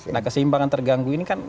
nah keseimbangan terganggu ini kan